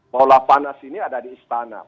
bola panas ini ada di istana